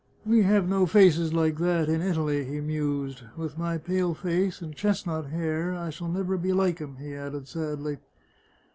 " We have no faces like that in Italy," he mused. " With my pale face and chestnut hair I shall never be like him," he added sadly.